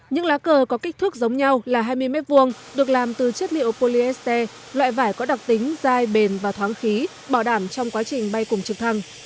những lá cờ có kích thước giống nhau là hai mươi m hai được làm từ chất liệu polyester loại vải có đặc tính dai bền và thoáng khí bảo đảm trong quá trình bay cùng trực thăng